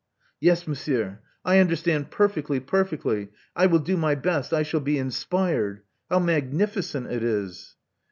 *'Yes, Monsieur; I understand perfectly, perfectly. I will do my best. I shall be inspired. How mag nificent it is!"